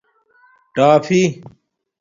ٹآفی